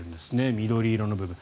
緑色の部分。